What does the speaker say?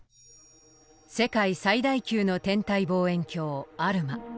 世界最大級の天体望遠鏡アルマ。